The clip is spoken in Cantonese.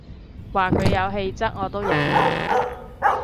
話佢有氣質我都忍你